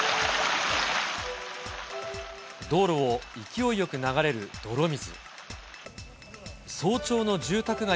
道路を勢いよく流れる泥水。